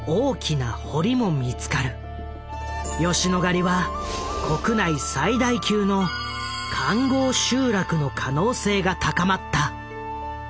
吉野ヶ里は国内最大級の環濠集落の可能性が高まった。